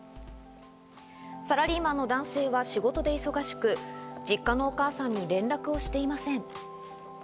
サラリーマンの男性は仕事で忙しく、実家のお母さんに連絡をしていません。